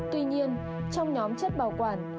tuy nhiên trong nhóm chất bảo quản